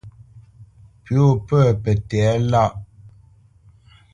Pʉ̌ wo pə̂ pə tɛ̌lâʼ lâ.